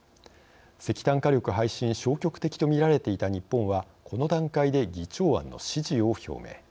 石炭火力廃止に消極的と見られていた日本はこの段階で議長案の支持を表明。